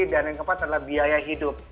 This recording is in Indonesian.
dan yang keempat adalah biaya hidup